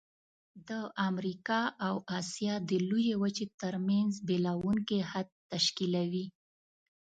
د امریکا او آسیا د لویې وچې ترمنځ بیلوونکی حد تشکیلوي.